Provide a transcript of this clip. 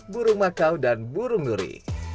burung makau dan burung duri